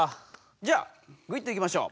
じゃあぐいっといきましょう！